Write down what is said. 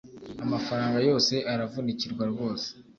Amafaranga yose aravunikirwa rwose